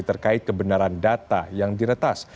terkait kebenaran data yang diretas